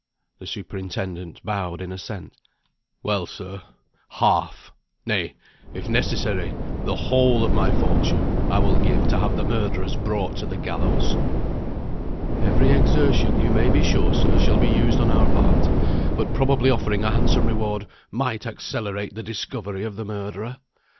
The superintendent bowed in assent. "Well, sir, half nay, if necessary, the whole of my fortune I will give to have the murderer brought to the gallows." "Every exertion, you may be sure, sir, shall be used on our part; but probably offering a handsome reward might accelerate the discovery of the murderer.